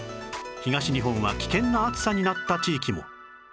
東日本は危険な暑さになった地域も